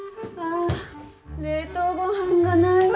冷凍ごはんがないわ。